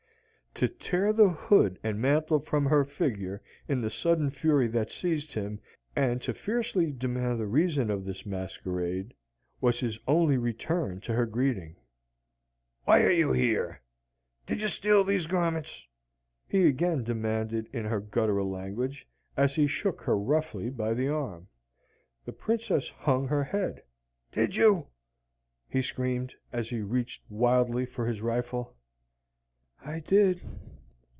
To tear the hood and mantle from her figure in the sudden fury that seized him, and to fiercely demand the reason of this masquerade, was his only return to her greeting. "Why are you here? did you steal these garments?" he again demanded in her guttural language, as he shook her roughly by the arm. The Princess hung her head. "Did you?" he screamed, as he reached wildly for his rifle. "I did?"